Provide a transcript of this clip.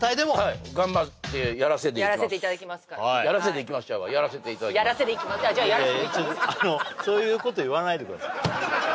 いや違うやらせていただきますそういうこと言わないでください